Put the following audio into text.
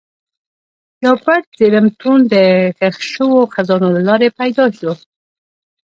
یو پټ زېرمتون د ښخ شوو خزانو له لارې پیدا شو.